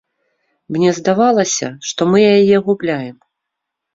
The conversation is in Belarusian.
Мне здавалася, што мы яе губляем.